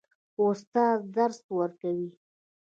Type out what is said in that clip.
استاد درس ورکوي.